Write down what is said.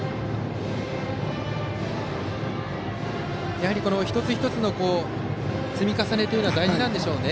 やはり一つ一つの積み重ねが大事なんでしょうね。